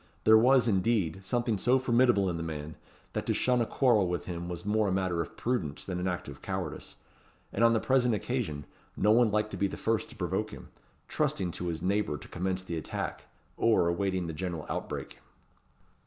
There was, indeed, something so formidable in the man, that to shun a quarrel with him was more a matter of prudence than an act of cowardice; and on the present occasion, no one liked to be first to provoke him; trusting to his neighbour to commence the attack, or awaiting the general outbreak.